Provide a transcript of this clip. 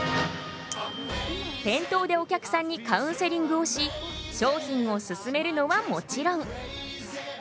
店頭でお客さんにカウンセリングをし商品をすすめるのはもちろん。